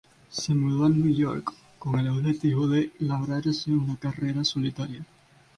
Se mudó a Nueva York, con el objetivo de labrarse una carrera en solitario.